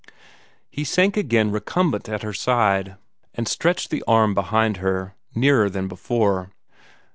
He sank again recumbent at her side, and stretched the arm behind her, nearer than before.